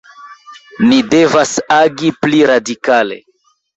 Ni devas agi pli radikale.